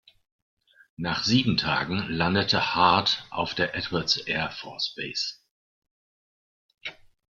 Nach sieben Tagen landete Hart auf der Edwards Air Force Base.